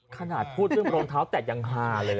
ขนาดพูดเรื่องรองเท้าแต่ยังฮาเลยนะ